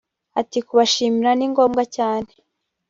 Ati “kubashimira ni ngombwa cyane